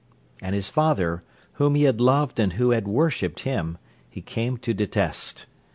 And his father, whom he had loved and who had worshipped him, he came to detest.